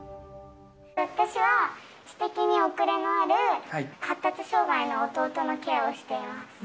私は知的に遅れのある発達障がいの弟のケアをしています。